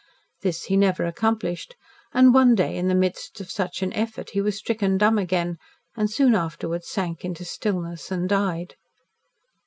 This he never accomplished, and one day, in the midst of such an effort, he was stricken dumb again, and soon afterwards sank into stillness and died.